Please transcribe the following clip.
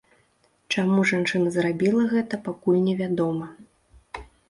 Чаму жанчына зрабіла гэта, пакуль невядома.